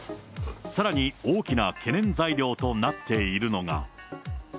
さらに大きな懸念材料となっているのが。